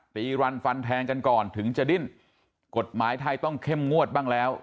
รันฟันแทงกันก่อนถึงจะดิ้นกฎหมายไทยต้องเข้มงวดบ้างแล้ว